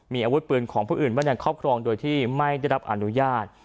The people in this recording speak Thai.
มีอาวุธปืนของผู้อื่นไว้ในครอบครองโดยที่ไม่ได้รับอนุญาต